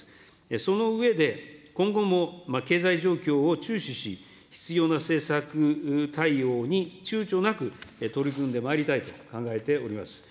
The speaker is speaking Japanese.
そのうえで、今後も経済状況を注視し、必要な政策対応にちゅうちょなく取り組んでまいりたいと考えております。